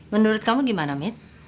menurut kamu gimana mit